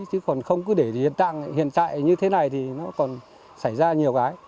chứ còn không cứ để hiện tại như thế này thì nó còn xảy ra nhiều cái